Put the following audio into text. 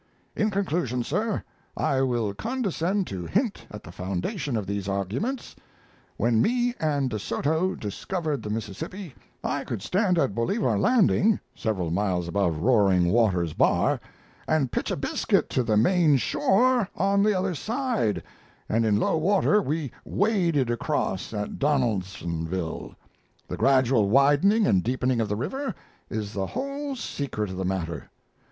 In conclusion, sir, I will condescend to hint at the foundation of these arguments: When me and De Soto discovered the Mississippi I could stand at Bolivar Landing (several miles above "Roaring Waters Bar") and pitch a biscuit to the main shore on the other side, and in low water we waded across at Donaldsonville. The gradual widening and deepening of the river is the whole secret of the matter.